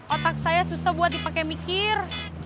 otak saya susah buat dipakai mikir